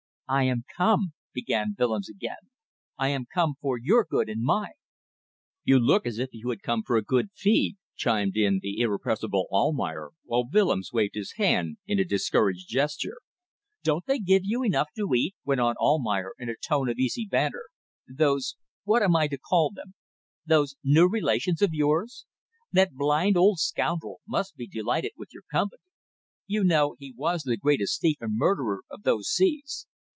"I am come," began Willems again; "I am come for your good and mine." "You look as if you had come for a good feed," chimed in the irrepressible Almayer, while Willems waved his hand in a discouraged gesture. "Don't they give you enough to eat," went on Almayer, in a tone of easy banter, "those what am I to call them those new relations of yours? That old blind scoundrel must be delighted with your company. You know, he was the greatest thief and murderer of those seas.